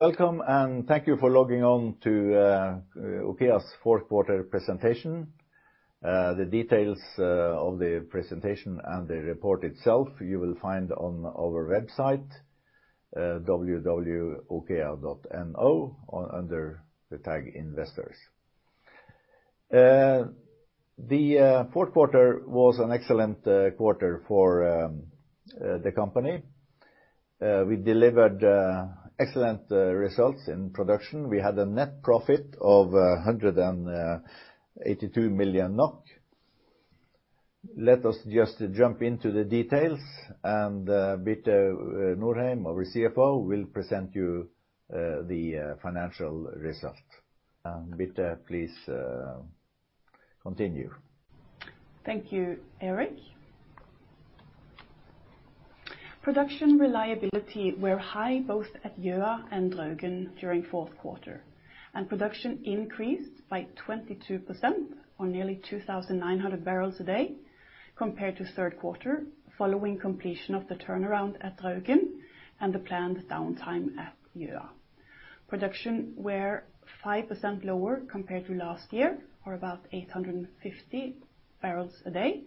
Welcome, and thank you for logging on to OKEA's fourth quarter presentation. The details of the presentation and the report itself you will find on our website, www.okea.no, under the tag Investors. The fourth quarter was an excellent quarter for the company. We delivered excellent results in production. We had a net profit of 182 million NOK. Let us just jump into the details and Birte Norheim, our CFO, will present you the financial results. Birte, please continue. Thank you, Erik. Production reliability were high both at Gjøa and Draugen during fourth quarter. Production increased by 22%, or nearly 2,900 barrels a day compared to third quarter, following completion of the turnaround at Draugen and the planned downtime at Gjøa. Production were 5% lower compared to last year, or about 850 barrels a day.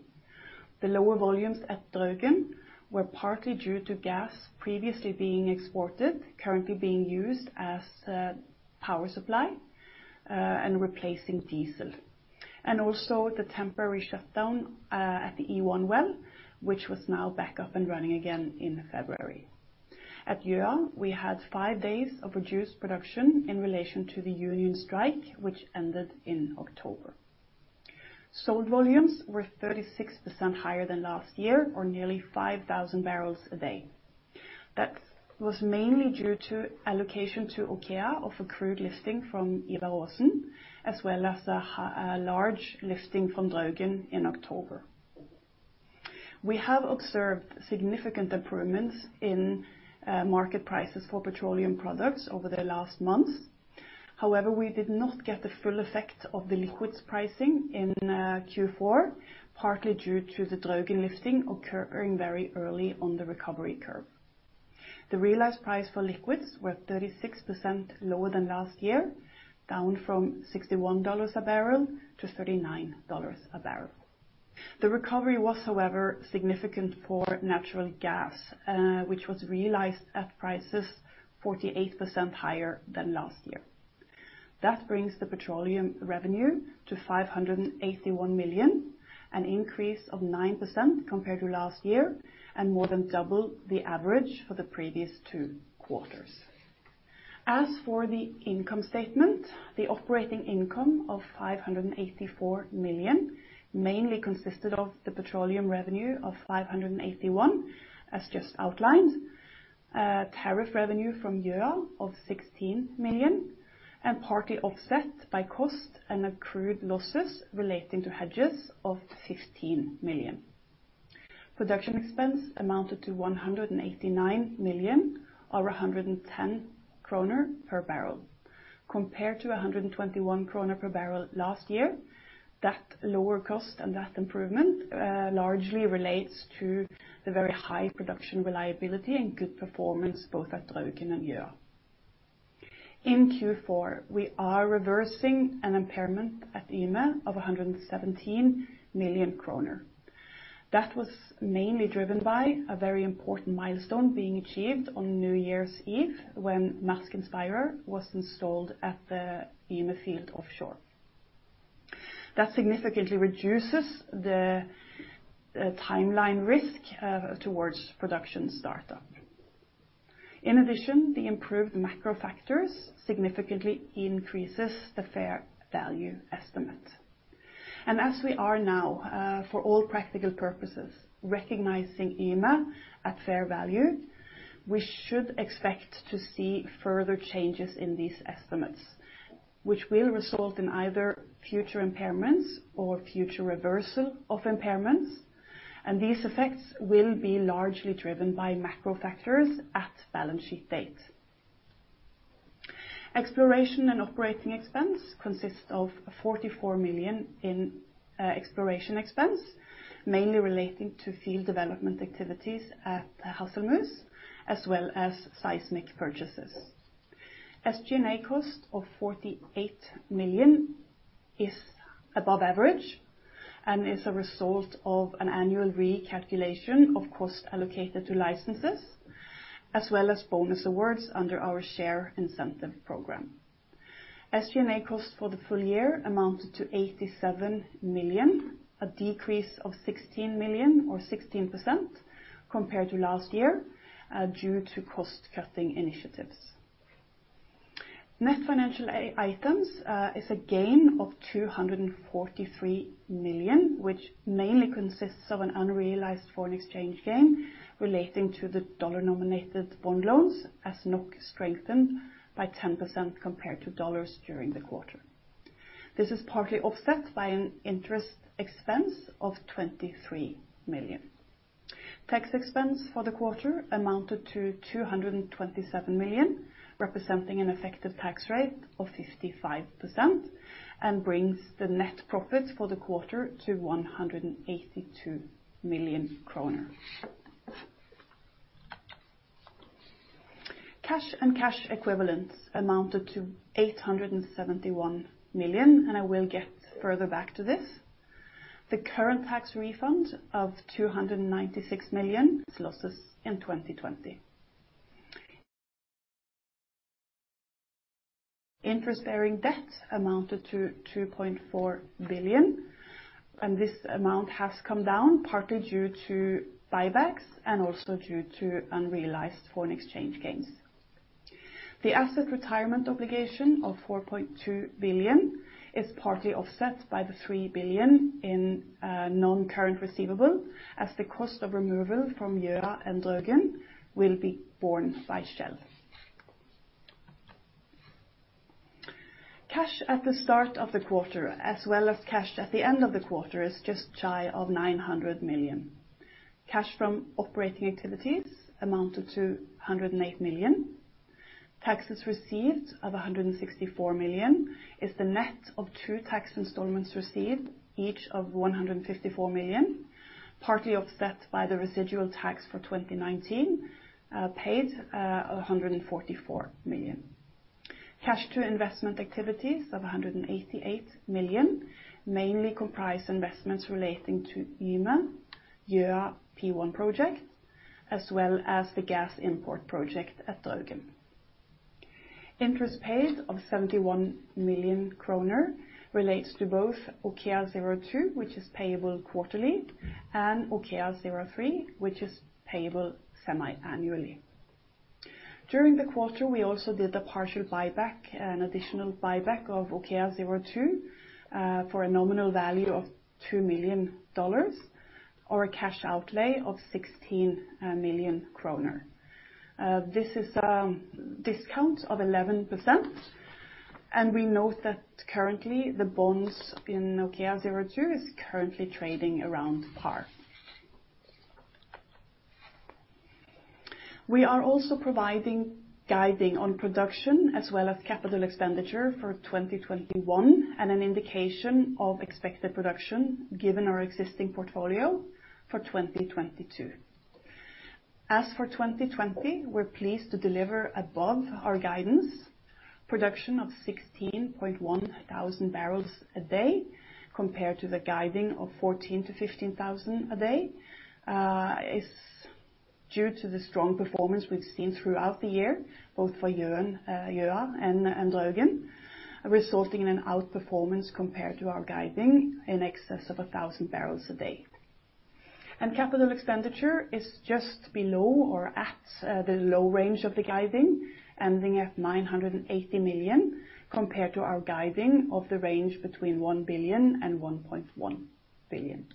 The lower volumes at Draugen were partly due to gas previously being exported, currently being used as a power supply and replacing diesel. Also the temporary shutdown at the I-1 well, which was now back up and running again in February. At Gjøa, we had five days of reduced production in relation to the union strike which ended in October. Sold volumes were 36% higher than last year, or nearly 5,000 barrels a day. That was mainly due to allocation to OKEA of accrued lifting from Ivar Aasen, as well as the large lifting from Draugen in October. We have observed significant improvements in market prices for petroleum products over the last month. We did not get the full effect of the liquids pricing in Q4, partly due to the Draugen lifting occurring very early on the recovery curve. The realized price for liquids were 36% lower than last year, down from $61 a barrel to $39 a barrel. The recovery was, however, significant for natural gas, which was realized at prices 48% higher than last year. That brings the petroleum revenue to 581 million, an increase of 9% compared to last year and more than double the average for the previous two quarters. As for the income statement, the operating income of 584 million mainly consisted of the petroleum revenue of 581 million, as just outlined, tariff revenue from Gjøa of 16 million, and partly offset by cost and accrued losses relating to hedges of 15 million. Production expense amounted to 189 million, or 110 kroner per barrel, compared to 121 kroner per barrel last year. That lower cost and that improvement largely relates to the very high production reliability and good performance both at Draugen and Gjøa. In Q4, we are reversing an impairment at Yme of 117 million kroner. That was mainly driven by a very important milestone being achieved on December 31st, 2020 when Mærsk Inspirer was installed at the Yme field offshore. That significantly reduces the timeline risk towards production startup. In addition, the improved macro factors significantly increases the fair value estimate. As we are now, for all practical purposes, recognizing Yme at fair value, we should expect to see further changes in these estimates, which will result in either future impairments or future reversal of impairments, and these effects will be largely driven by macro factors at balance sheet date. Exploration and operating expense consists of 44 million in exploration expense, mainly relating to field development activities at Hasselmus as well as seismic purchases. SG&A cost of 48 million is above average and is a result of an annual recalculation of cost allocated to licenses, as well as bonus awards under our share incentive program. SG&A cost for the full year amounted to 87 million, a decrease of 16 million or 16% compared to last year due to cost-cutting initiatives. Net financial items is a gain of 243 million, which mainly consists of an unrealized foreign exchange gain relating to the dollar-nominated bond loans as NOK strengthened by 10% compared to USD during the quarter. This is partly offset by an interest expense of 23 million. Tax expense for the quarter amounted to 227 million, representing an effective tax rate of 55%, brings the net profit for the quarter to 182 million kroner. Cash and cash equivalents amounted to 871 million, I will get further back to this. The current tax refund of 296 million losses in 2020. Interest-bearing debt amounted to 2.4 billion, this amount has come down partly due to buybacks and also due to unrealized foreign exchange gains. The asset retirement obligation of 4.2 billion is partly offset by the 3 billion in non-current receivable, as the cost of removal from Gjøa and Draugen will be borne by Shell. Cash at the start of the quarter, as well as cash at the end of the quarter, is just shy of 900 million. Cash from operating activities amounted to 108 million. Taxes received of 164 million is the net of two tax installments received, each of 154 million, partly offset by the residual tax for 2019 paid of 144 million. Cash to investment activities of 188 million mainly comprise investments relating to Yme, Gjøa P1 project, as well as the gas import project at Draugen. Interest paid of 71 million kroner relates to both OKEA02, which is payable quarterly, and OKEA03, which is payable semi-annually. During the quarter, we also did a partial buyback, an additional buyback of OKEA02, for a nominal value of $2 million or a cash outlay of 16 million kroner. This is a discount of 11%, we note that currently the bonds in OKEA02 is currently trading around par. We are also providing guiding on production as well as capital expenditure for 2021 and an indication of expected production given our existing portfolio for 2022. As for 2020, we are pleased to deliver above our guidance. Production of 16.1 thousand barrels a day compared to the guiding of 14,000-15,000 barrels a day is due to the strong performance we have seen throughout the year, both for Gjøa and Draugen, resulting in an outperformance compared to our guiding in excess of 1,000 barrels a day. CapEx is just below or at the low range of the guiding, ending at 980 million, compared to our guiding of the range between 1 billion and 1.1 billion.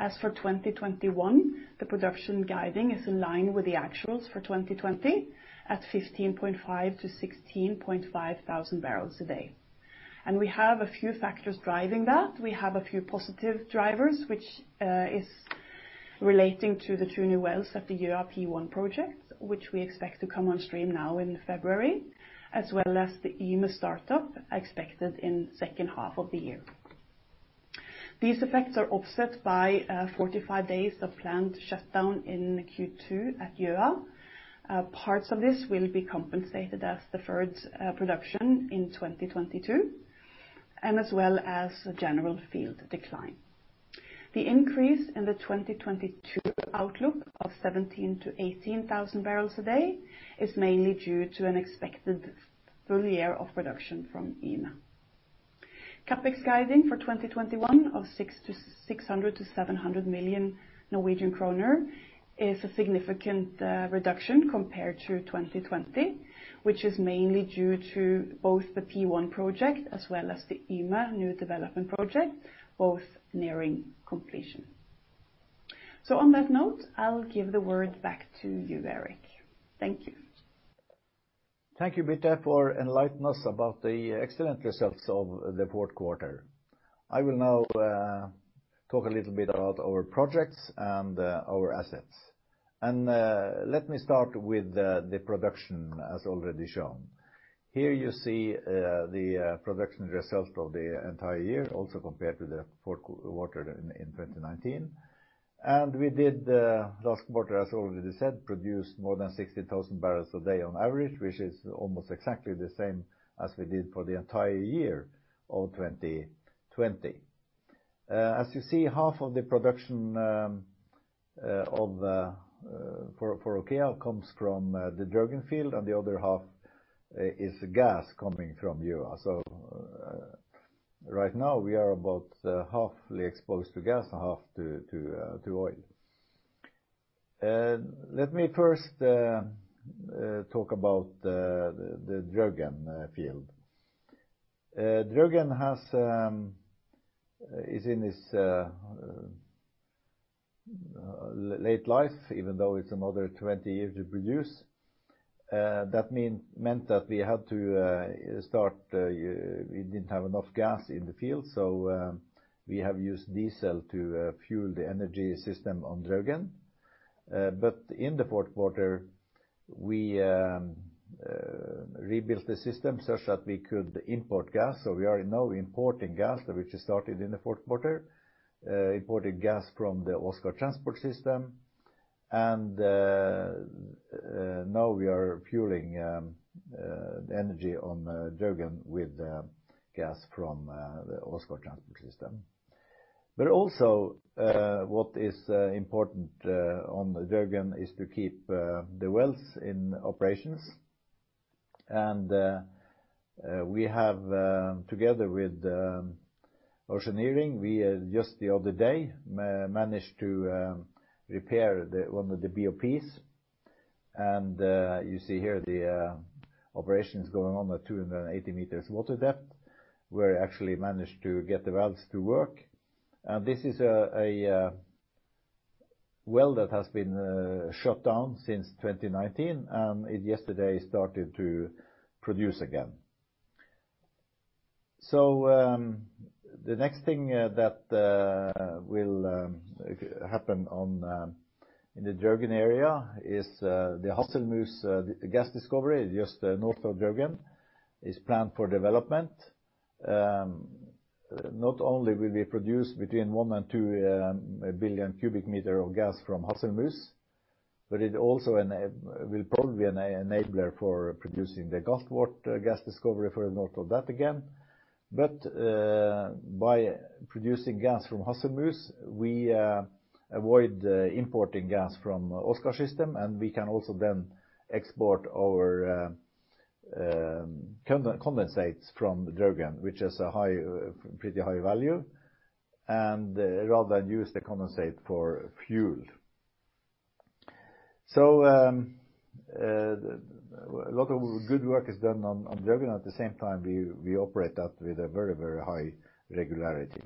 As for 2021, the production guiding is in line with the actuals for 2020 at 15.5-16.5 thousand barrels a day. We have a few factors driving that. We have a few positive drivers, which is relating to the two new wells at the Gjøa P1 project, which we expect to come on stream now in February, as well as the Yme startup expected in second half of the year. These effects are offset by 45 days of planned shutdown in Q2 at Gjøa. Parts of this will be compensated as deferred production in 2022 and as well as a general field decline. The increase in the 2022 outlook of 17,000-18,000 barrels a day is mainly due to an expected full year of production from Yme. CapEx guiding for 2021 of 600 million-700 million Norwegian kroner is a significant reduction compared to 2020, which is mainly due to both the P1 project as well as the Yme new development project, both nearing completion. On that note, I'll give the word back to you, Erik. Thank you. Thank you, Birte, for enlightening us about the excellent results of the fourth quarter. I will now talk a little bit about our projects and our assets. Let me start with the production as already shown. Here you see the production results of the entire year, also compared to the fourth quarter in 2019. We did the last quarter, as already said, produce more than 60,000 barrels a day on average, which is almost exactly the same as we did for the entire year of 2020. As you see, half of the production for OKEA comes from the Draugen field, and the other half is gas coming from Gjøa. Right now, we are about halfway exposed to gas and half to oil. Let me first talk about the Draugen field. Draugen is in its late life, even though it's another 20 years to produce. That meant that we had to start, we didn't have enough gas in the field, so we have used diesel to fuel the energy system on Draugen. We rebuilt the system such that we could import gas. We are now importing gas, which started in the fourth quarter, importing gas from the Åsgard Transport System. Now we are fueling energy on Draugen with gas from the Åsgard Transport System. Also what is important on Draugen is to keep the wells in operations, and we have, together with Oceaneering, we just the other day managed to repair one of the BOPs. You see here the operations going on at 280 meters water depth. We actually managed to get the valves to work. This is a well that has been shut down since 2019, and it yesterday started to produce again. The next thing that will happen in the Draugen area is the Hasselmus gas discovery, just north of Draugen. It's planned for development. Not only will we produce between one and two billion cubic meter of gas from Hasselmus, but it also will probably be an enabler for producing the gas discovery further north of that again. By producing gas from Hasselmus, we avoid importing gas from Åsgard Transport System and we can also then export our condensates from Draugen, which is a pretty high value and rather than use the condensate for fuel. A lot of good work is done on Draugen. At the same time, we operate that with a very high regularity.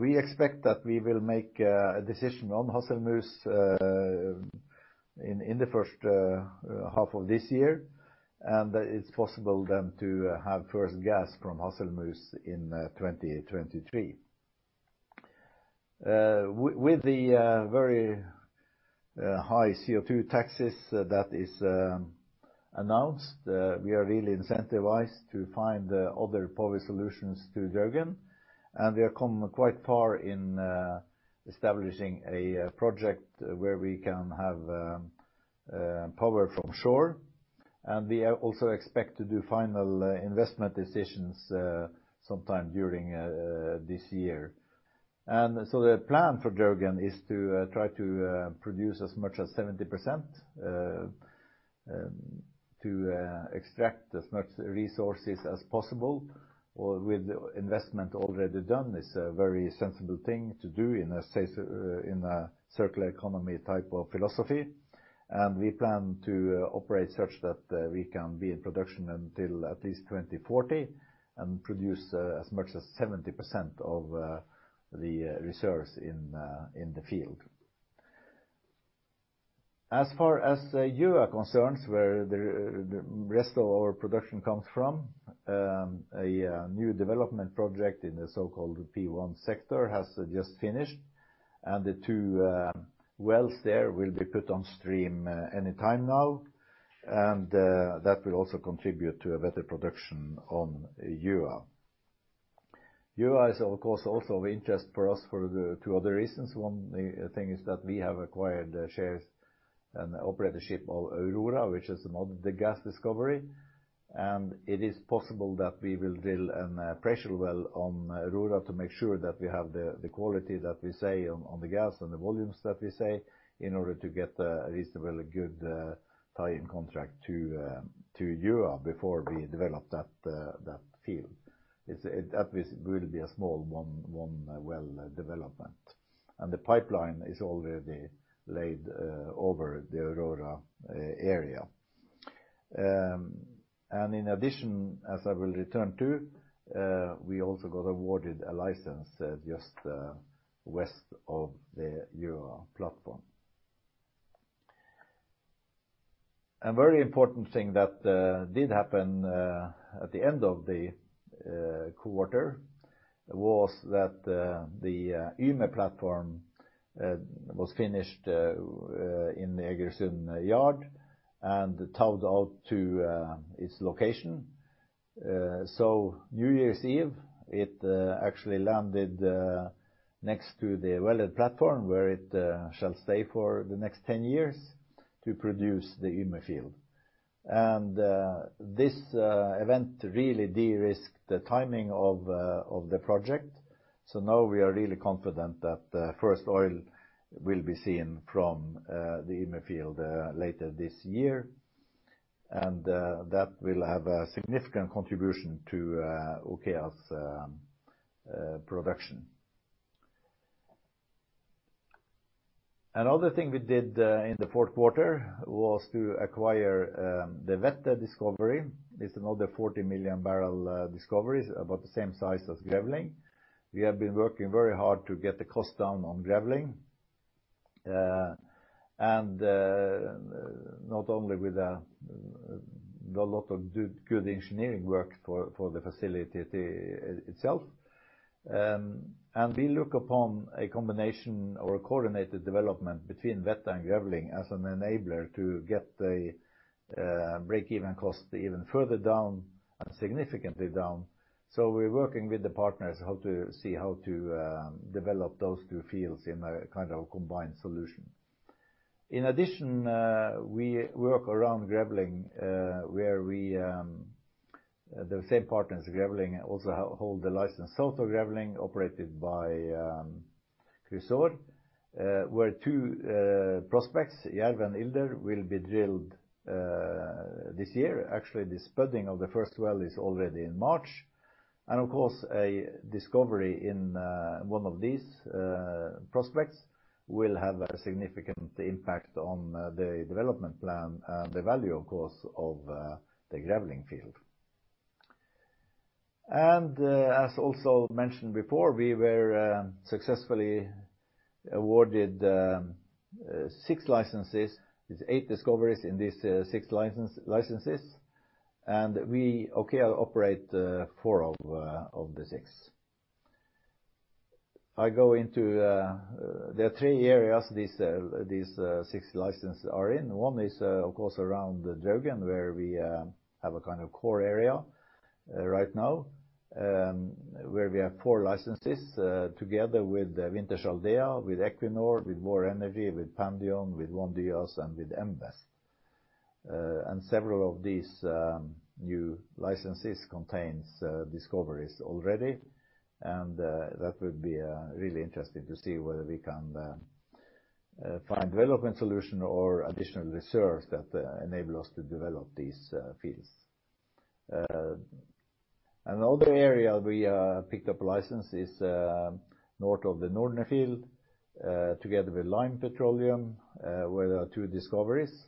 We expect that we will make a decision on Hasselmus in the first half of this year, and it's possible then to have first gas from Hasselmus in 2023. With the very high CO2 taxes that is announced, we are really incentivized to find other power solutions to Draugen, and we have come quite far in establishing a project where we can have power from shore. We also expect to do final investment decisions sometime during this year. The plan for Draugen is to try to produce as much as 70%, to extract as much resources as possible, or with investment already done, it's a very sensible thing to do in a Circular Economy type of philosophy. We plan to operate such that we can be in production until at least 2040 and produce as much as 70% of the reserves in the field. As far as the Uar concerns, where the rest of our production comes from, a new development project in the so-called P1 sector has just finished. The two wells there will be put on stream anytime now. That will also contribute to a better production on Gjøa. Gjøa is, of course, also of interest for us for two other reasons. One thing is that we have acquired shares and operatorship of Aurora, which is another gas discovery. It is possible that we will drill a pressure well on Aurora to make sure that we have the quality that we say on the gas and the volumes that we say in order to get a reasonably good tie-in contract to Gjøa before we develop that field. That will be a small one well development. The pipeline is already laid over the Aurora area. In addition, as I will return to, we also got awarded a license just west of the Gjøa platform. A very important thing that did happen at the end of the quarter was that the Yme platform was finished in the Egersund yard and towed out to its location. New Year's Eve, it actually landed next to the Valhall platform, where it shall stay for the next 10 years to produce the Yme field. This event really de-risked the timing of the project. Now we are really confident that first oil will be seen from the Yme field later this year. That will have a significant contribution to OKEA's production. Another thing we did in the fourth quarter was to acquire the Vette discovery. It's another 40 million barrel discovery. It's about the same size as Grevling. We have been working very hard to get the cost down on Grevling. Not only with a lot of good engineering work for the facility itself. We look upon a combination or a coordinated development between Vette and Grevling as an enabler to get the break-even cost even further down and significantly down. We're working with the partners, how to see how to develop those two fields in a kind of combined solution. In addition, we work around Grevling, where the same partners, Grevling, also hold the license south of Grevling, operated by Chrysaor, where two prospects, Jerv and Ilder, will be drilled this year. Actually, the spudding of the first well is already in March, and of course, a discovery in one of these prospects will have a significant impact on the development plan and the value, of course, of the Grevling field. As also mentioned before, we were successfully awarded six licenses. It's eight discoveries in these six licenses, and we operate four of the six. There are three areas these six licenses are in. One is, of course, around the Draugen, where we have a kind of core area right now, where we have four licenses together with Wintershall Dea, with Equinor, with Vår Energi, with Pandion, with ONE-Dyas, and with M Vest Energy. Several of these new licenses contains discoveries already, and that will be really interesting to see whether we can find development solution or additional reserves that enable us to develop these fields. Another area we picked up license is north of the Norne field, together with Lime Petroleum, where there are two discoveries.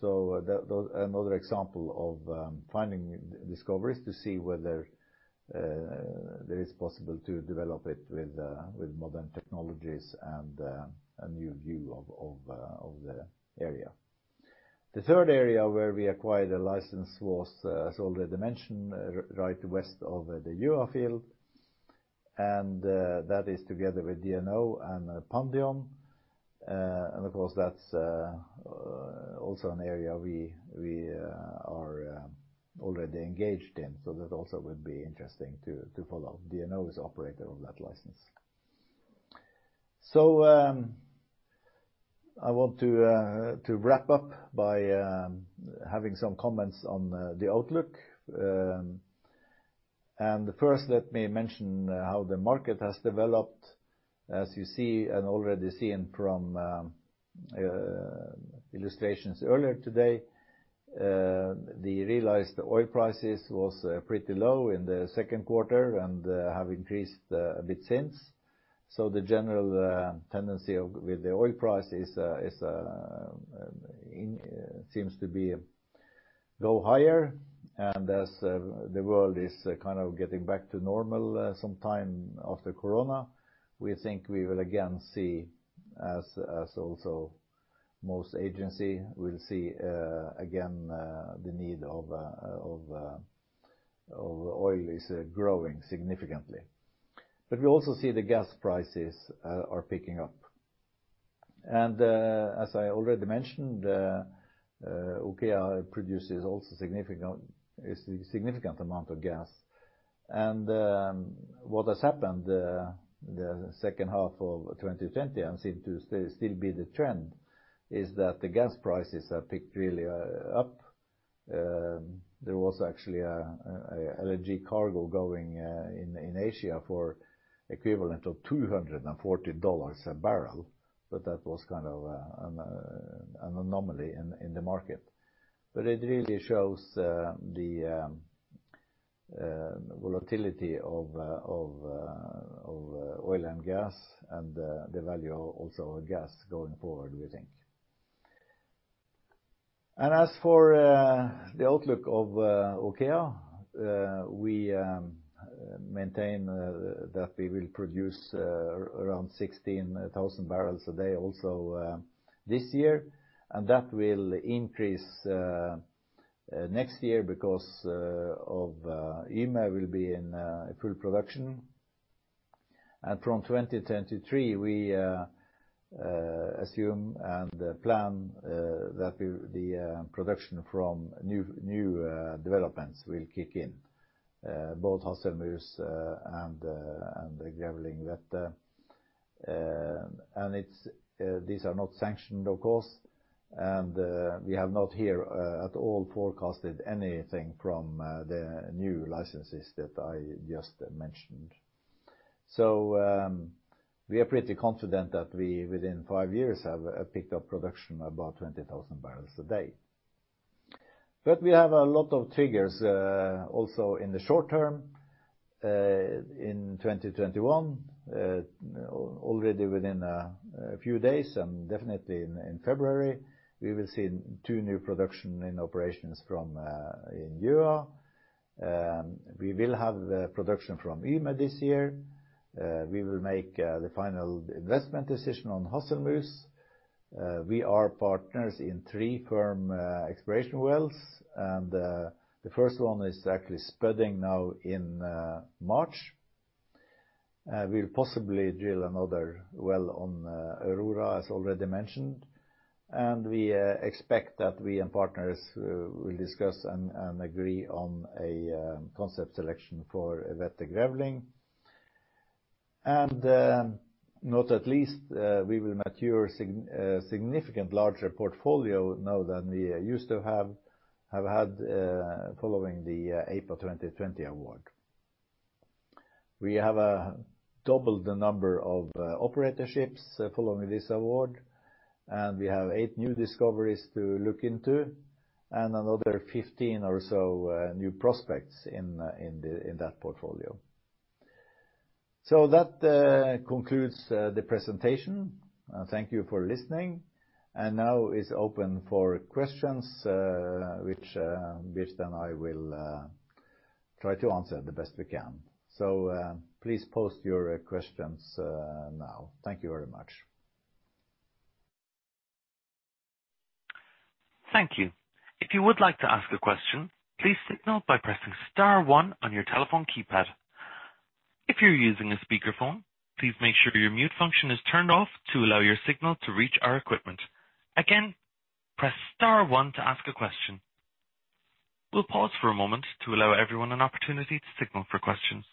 So another example of finding discoveries to see whether there is possible to develop it with modern technologies and a new view of the area. The third area where we acquired a license was as already mentioned, right west of the Gjøa field, and that is together with DNO and Pandion. Of course, that's also an area we are already engaged in, so that also will be interesting to follow. DNO is operator of that license. I want to wrap up by having some comments on the outlook. First, let me mention how the market has developed. As you see and already seen from illustrations earlier today, the realized oil prices was pretty low in the second quarter and have increased a bit since. The general tendency with the oil price seems to be go higher, and as the world is kind of getting back to normal sometime after Corona, we think we will again see as also most agencies will see again the need of oil is growing significantly. We also see the gas prices are picking up. As I already mentioned, OKEA produces also a significant amount of gas. What has happened the second half of 2020 and seem to still be the trend is that the gas prices have picked really up. There was actually a LNG cargo going in Asia for equivalent of $240 a barrel, that was kind of an anomaly in the market. It really shows the volatility of oil and gas and the value also of gas going forward, we think. As for the outlook of OKEA, we maintain that we will produce around 16,000 barrels a day also this year, and that will increase next year because of Yme will be in full production. From 2023, we assume and plan that the production from new developments will kick in, both Hasselmus and Grevling, Vette. These are not sanctioned, of course, and we have not here at all forecasted anything from the new licenses that I just mentioned. We are pretty confident that we within five years have picked up production about 20,000 barrels a day. We have a lot of triggers, also in the short term, in 2021. Already within a few days and definitely in February, we will see two new production in operations from OKEA. We will have the production from Yme this year. We will make the final investment decision on Hasselmus. We are partners in three firm exploration wells, and the first one is actually spudding now in March. We'll possibly drill another well on Aurora, as already mentioned, and we expect that we and partners will discuss and agree on a concept selection for Vette Grevling. Not at least, we will mature a significant larger portfolio now than we used to have had following the April 2020 award. We have doubled the number of operatorships following this award, and we have eight new discoveries to look into and another 15 or so new prospects in that portfolio. That concludes the presentation. Thank you for listening, and now it's open for questions, which then I will try to answer the best we can. Please post your questions now. Thank you very much. Thank you. If you would like to ask a question, please signal by pressing star one on your telephone keypad. If you're using a speakerphone, please make sure your mute function is turned off to allow your signal to reach our equipment. Again, press star one to ask a question. We'll pause for a moment to allow everyone an opportunity to signal for questions.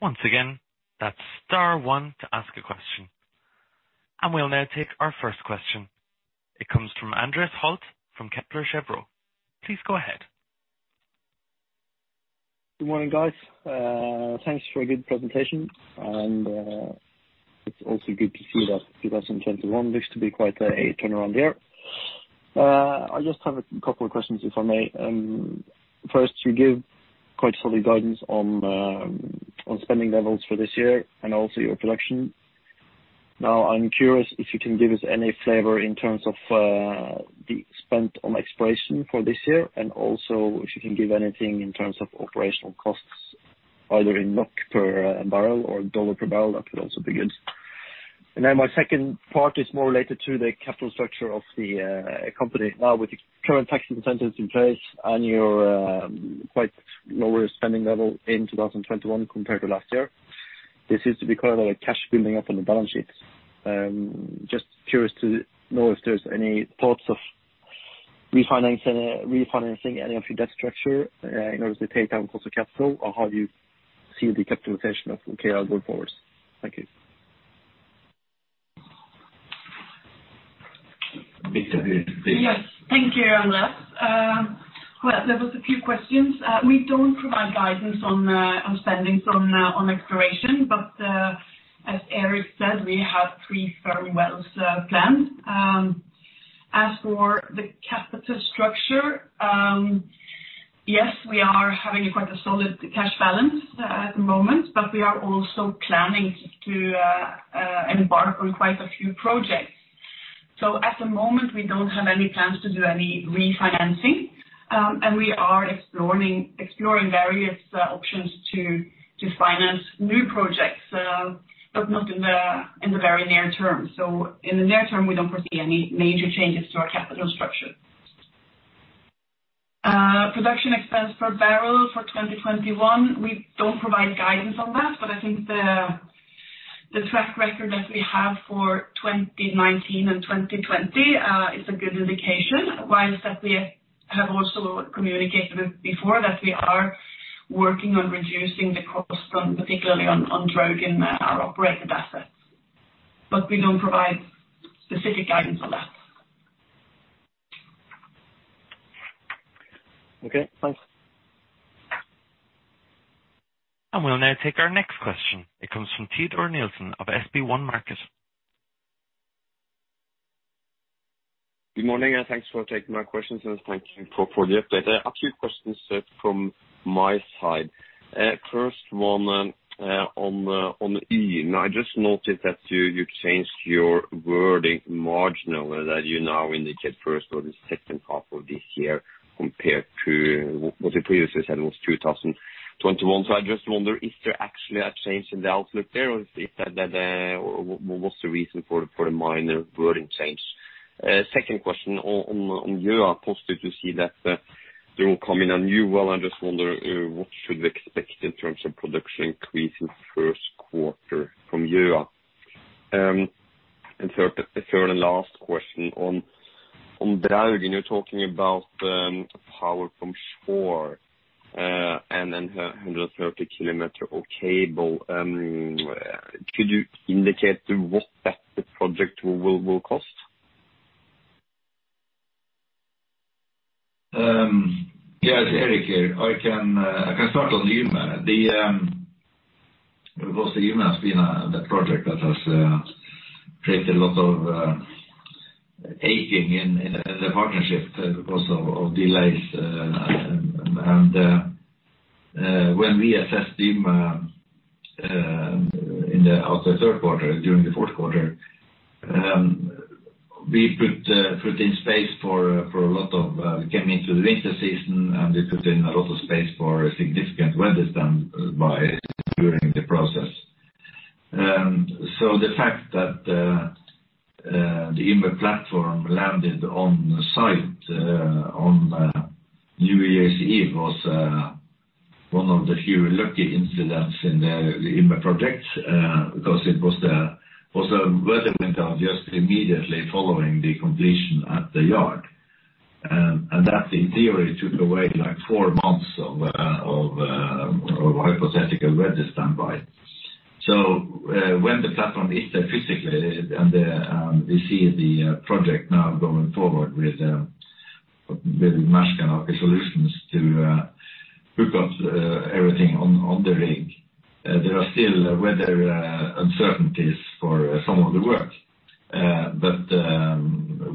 Once again, that's star one to ask a question. We'll now take our first question. It comes from Anders Holte from Kepler Cheuvreux. Please go ahead. Good morning, guys. Thanks for a good presentation. It's also good to see that 2021 looks to be quite a turnaround year. I just have a couple of questions, if I may. First, you give quite solid guidance on spending levels for this year and also your production. I'm curious if you can give us any flavor in terms of the spend on exploration for this year and also if you can give anything in terms of operational costs, either in NOK per barrel or USD per barrel, that would also be good. My second part is more related to the capital structure of the company. With your current tax incentives in place and your quite lower spending level in 2021 compared to last year, this is to be quite a cash building up on the balance sheets. Just curious to know if there's any thoughts of refinancing any of your debt structure in order to pay down cost of capital or how you see the capitalization of OKEA going forward? Thank you. Birte here, please. Yes. Thank you, Anders. Well, there was a few questions. We don't provide guidance on spendings on exploration. As Erik said, we have three firm wells planned. As for the capital structure, yes, we are having quite a solid cash balance at the moment. We are also planning to embark on quite a few projects. At the moment, we don't have any plans to do any refinancing. We are exploring various options to finance new projects. Not in the very near term. In the near term, we don't foresee any major changes to our capital structure. Production expense per barrel for 2021, we don't provide guidance on that. I think the track record that we have for 2019 and 2020 is a good indication. Whilst that we have also communicated before that we are working on reducing the cost, particularly on Draugen, our operated assets. We don't provide specific guidance on that. Okay, thanks. We'll now take our next question. It comes from Teodor Nilsen of SpareBank 1 Markets. Good morning, thanks for taking my questions, and thank you for the update. I have a few questions from my side. First one on Yme. I just noted that you changed your wording marginally, that you now indicate first or the second half of this year compared to what you previously said was 2021. I just wonder if there actually a change in the outlook there, or what's the reason for the minor wording change? Second question on Gjøa. Positive to see that they will come in a new well, I just wonder what should we expect in terms of production increase in first quarter from Gjøa. Third and last question on Draugen. You're talking about power from shore and then 130 km of cable. Could you indicate what that project will cost? Yes, Erik here. I can start on Yme. Yme has been the project that has created a lot of aching in the partnership because of delays. When we assessed Yme in the third quarter, during the fourth quarter, we put in space for a lot of, came into the winter season, and we put in a lot of space for significant weather standby during the process. The fact that the Yme platform landed on site on New Year's Eve was one of the few lucky incidents in the Yme project, because it was a weather window just immediately following the completion at the yard. That, in theory, took away four months of hypothetical weather standby. When the platform is there physically and we see the project now going forward with Mærsk Inspirer to hook up everything on the rig. There are still weather uncertainties for some of the work.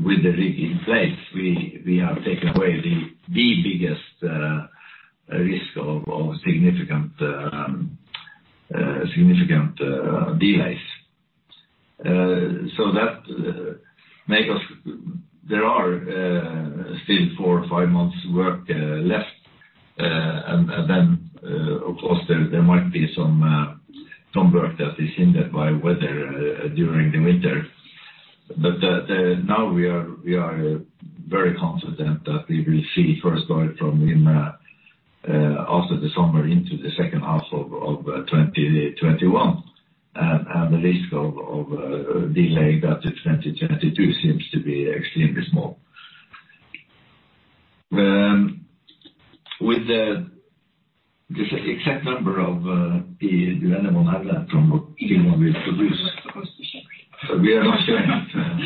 With the rig in place, we have taken away the biggest risk of significant delays. There are still four or five months work left. Of course, there might be some work that is hindered by weather during the winter. Now we are very confident that we will see first oil from Yme after the summer into the second half of 2021. The risk of delaying that to 2022 seems to be extremely small. Do anyone have that from what Yme will produce? We were not supposed to share. We are not sharing it.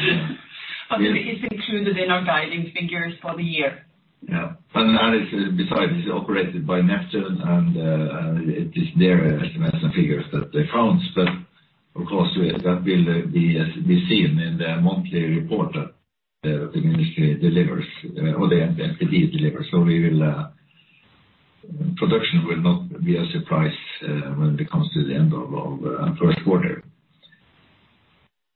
It is included in our guiding figures for the year. That is, besides, it's operated by Neptune and it is their estimates and figures that they count. Of course, that will be seen in the monthly report that the entity delivers. Production will not be a surprise when it comes to the end of first quarter.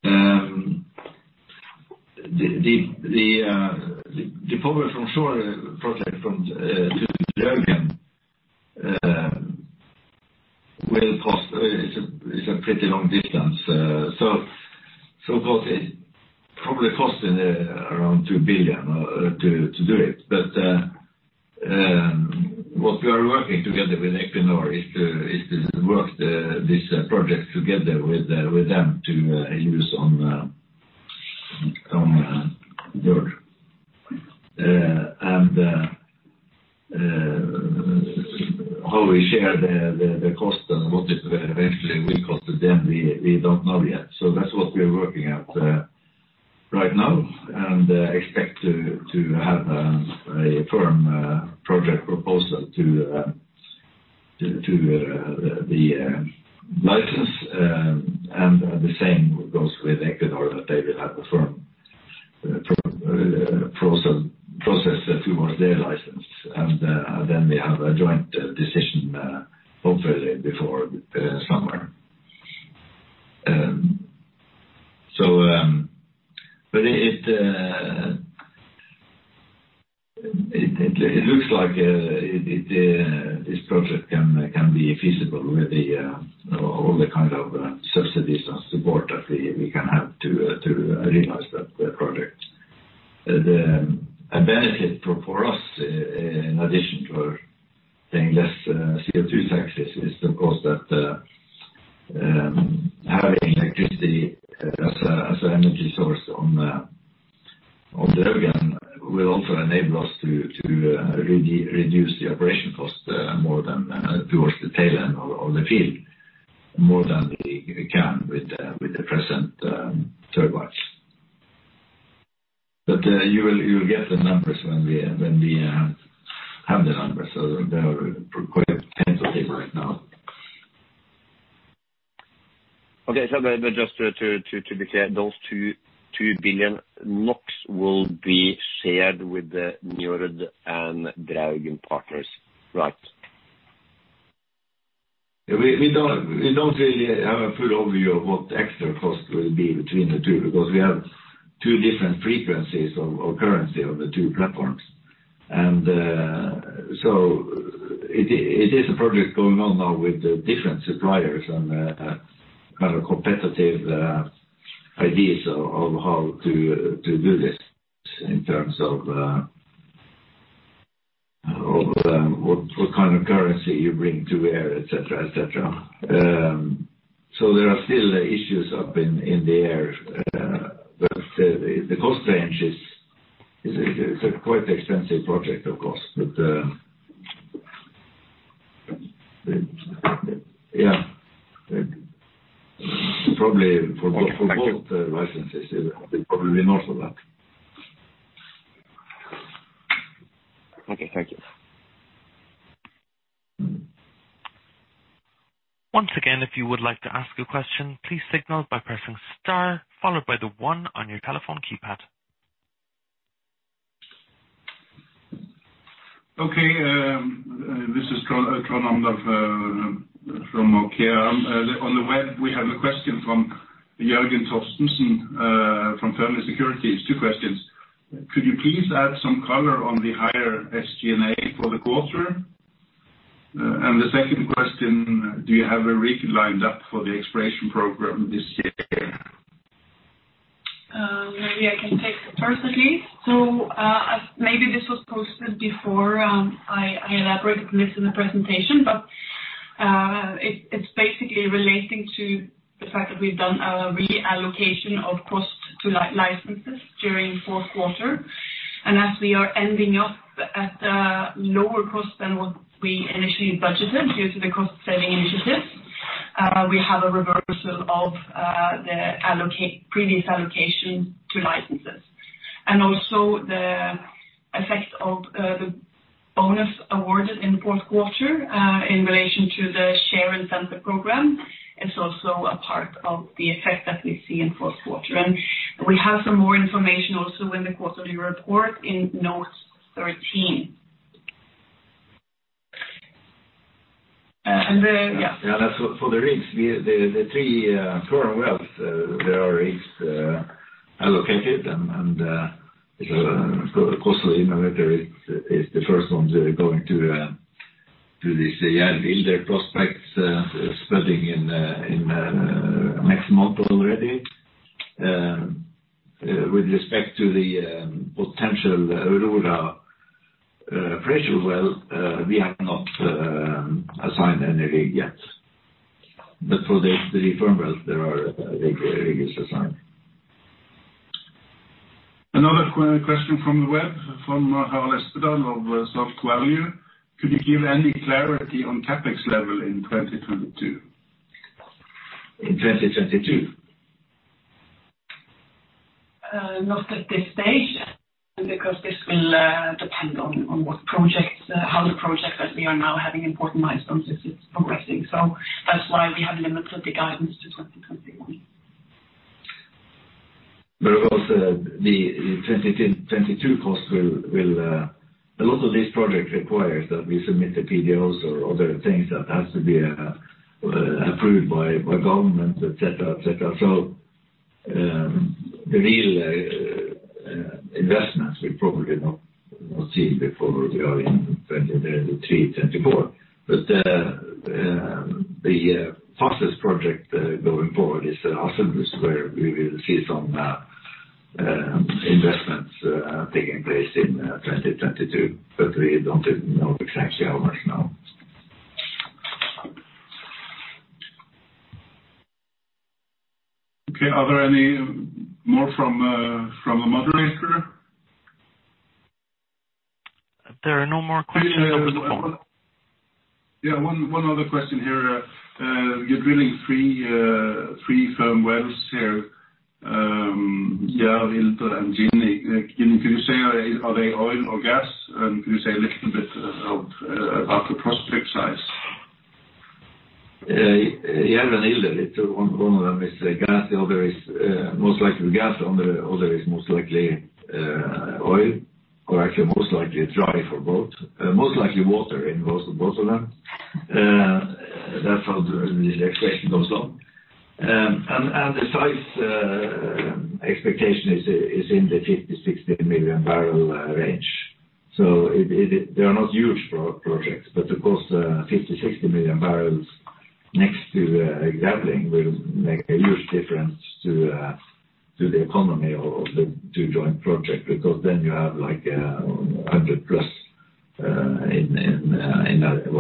The power from shore project from to Draugen, it's a pretty long distance. Of course, it probably costing around 2 billion to do it. What we are working together with Equinor is this project together with them to use on Njord. How we share the cost and what it eventually will cost to them, we don't know yet. That's what we are working at right now, and expect to have a firm project proposal to the license. The same goes with Equinor, that they will have a firm process towards their license. Then we have a joint decision, hopefully before the summer. It looks like this project can be feasible with all the kind of subsidies and support that we can have to realize that project. The benefit for us, in addition to paying less CO2 taxes, is of course that having electricity as an energy source on Draugen will also enable us to reduce the operation cost towards the tail end of the field more than we can with the present turbines. You will get the numbers when we have the numbers. They are quite tentative right now. Okay. Just to be clear, those 2 billion NOK will be shared with the Njord and Draugen partners, right? We don't really have a full overview of what the extra cost will be between the two, because we have two different frequencies of currency on the two platforms. It is a project going on now with different suppliers and kind of competitive ideas of how to do this in terms of what kind of currency you bring to where, et cetera. There are still issues up in there. The cost range is, it's a quite expensive project, of course, but yeah. Okay. Thank you licenses. It will probably be north of that. Okay, thank you. Once again, if you would like to ask a question, please signal by pressing star followed by the one on your telephone keypad. Okay, this is John from OKEA. On the web, we have a question from Jørgen Torstensen from Fearnley Securities. Two questions. Could you please add some color on the higher SG&A for the quarter? The second question, do you have a rig lined up for the exploration program this year? Maybe I can take the first one please. Maybe this was posted before I elaborated on this in the presentation, but it's basically relating to the fact that we've done a reallocation of cost to licenses during the fourth quarter. As we are ending up at a lower cost than what we initially budgeted due to the cost-saving initiatives, we have a reversal of the previous allocation to licenses. Also the effect of the bonus awarded in the fourth quarter in relation to the Share Incentive Program is also a part of the effect that we see in the fourth quarter. We have some more information also in the quarterly report in note 13. Yeah. Yeah, that's for the rigs. The three firm wells, there are rigs allocated and the COSLInnovator is the first one going to this year. Their prospects, starting in next month already. With respect to the potential appraisal well, we have not assigned any rig yet. For the firm wells, there are rigs assigned. Another question from the web, from Harald Storedal of Soft Value. Could you give any clarity on CapEx level in 2022? In 2022? Not at this stage, this will depend on what projects, how the projects that we are now having important milestones is progressing. That's why we have limited the guidance to 2021. A lot of these projects require that we submit the PDOs or other things that has to be approved by government, et cetera. The real investments will probably not be seen before we are in 2023, 2024. The fastest project going forward is Hasselmus, where we will see some investments taking place in 2022, but we don't know exactly how much now. Okay. Are there any more from the moderator? There are no more questions over the phone. One other question here. You're drilling three firm wells here, Jerv and Ilder, and Ginny. Can you say, are they oil or gas? Can you say a little bit about the prospect size? Jerv and Ilder, one of them is gas, the other is Most likely gas, the other is most likely oil. Actually most likely dry for both. Most likely water in both of them. That's how the exploration goes on. The size expectation is in the 50, 60 million barrel range. They are not huge projects, but of course, 50, 60 million barrels next to Grevling will make a huge difference to the economy of the two joint projects, because then you have 100 plus in that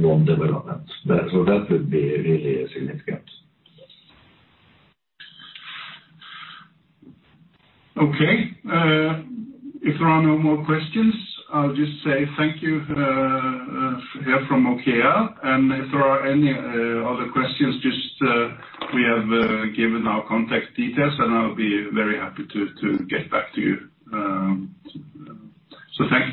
one development. That would be really significant. Okay. If there are no more questions, I'll just say thank you from OKEA. If there are any other questions, we have given our contact details, and I'll be very happy to get back to you. Thank you.